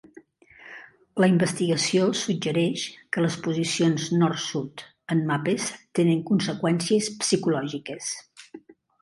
La investigació suggereix que les posicions nord-sud en mapes tenen conseqüències psicològiques.